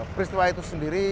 peristiwa itu sendiri